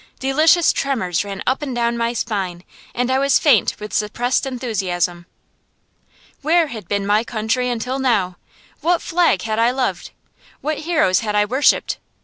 delicious tremors ran up and down my spine, and I was faint with suppressed enthusiasm. Where had been my country until now? What flag had I loved? What heroes had I worshipped?